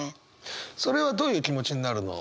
それはどういう気持ちになるの？